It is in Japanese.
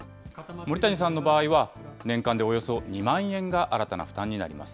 森谷さんの場合は、年間でおよそ２万円が新たな負担になります。